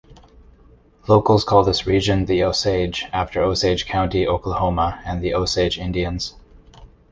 Locals call this region "The Osage" after Osage County, Oklahoma and the Osage Indians.